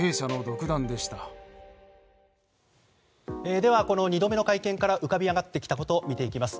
では、この２度目の会見から浮かび上がってきたことを見ていきます。